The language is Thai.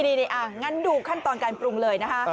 นี่งั้นดูขั้นตอนการปรุงเลยนะคะ